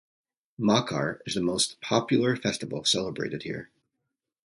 "Makar" is the most popular festival celebrated here.